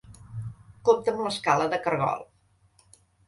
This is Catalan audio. Compta amb escala de caragol.